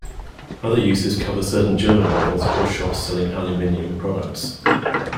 Other uses cover certain German medals or shops selling aluminium products.